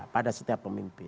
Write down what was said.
pada setiap pemimpin